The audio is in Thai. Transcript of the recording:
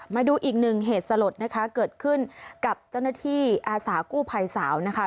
มาดูอีกหนึ่งเหตุสลดนะคะเกิดขึ้นกับเจ้าหน้าที่อาสากู้ภัยสาวนะคะ